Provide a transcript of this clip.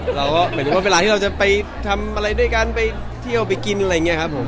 เราก็หมายถึงว่าเวลาที่เราจะไปทำอะไรด้วยกันไปเที่ยวไปกินอะไรอย่างนี้ครับผม